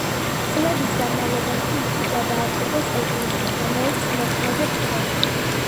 წლების განმავლობაში იგი გადააკეთეს ეკლესიად, რომელიც მოქმედებს დღემდე.